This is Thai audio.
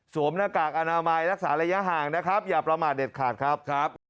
หน้ากากอนามัยรักษาระยะห่างนะครับอย่าประมาทเด็ดขาดครับครับ